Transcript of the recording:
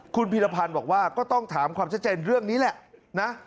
คุณพีรพันธ์บอกว่าก็ต้องถามความชัดเจนเรื่องนี้แหละนะ